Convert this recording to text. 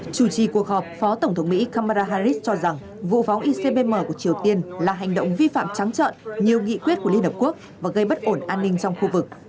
chủ trì cuộc họp phó tổng thống mỹ kamara harris cho rằng vụ phóng icbm của triều tiên là hành động vi phạm trắng trợn nhiều nghị quyết của liên hợp quốc và gây bất ổn an ninh trong khu vực